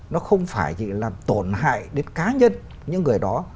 nó không phải chỉ làm tổn hại đến cá nhân những người đó